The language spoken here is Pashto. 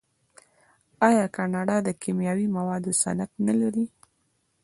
آیا کاناډا د کیمیاوي موادو صنعت نلري؟